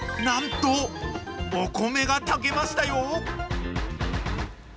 なんとお米が炊けましたよ。